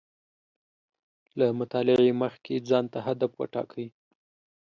له مطالعې مخکې ځان ته هدف و ټاکئ